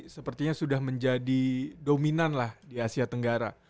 sepertinya sudah menjadi dominan lah di asia tenggara